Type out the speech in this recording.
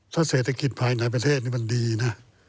ถ้าเศรษฐกิจภายในประเทศนี้มันดีนะ